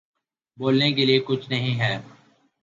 بولنے کے لیے کچھ نہیں ہے